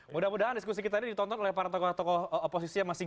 mudah mudahan diskusi kita ini ditonton oleh para tokoh tokoh oposisi yang masing masing